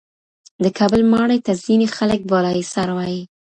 د کابل ماڼۍ ته ځینې خلک بالاحصار وایې.